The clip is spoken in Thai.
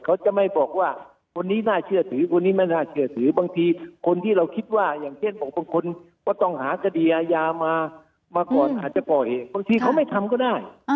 เขาจะไม่บอกว่าคนนี้น่าเชื่อถือคนนี้ไม่น่าเชื่อถือบางทีคนที่เราคิดว่าอย่างเช่นบอกบางคนก็ต้องหาคดีอาญามามาก่อนอาจจะก่อเหตุบางทีเขาไม่ทำก็ได้